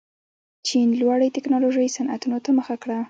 چین لوړې تکنالوژۍ صنعتونو ته مخه کړه.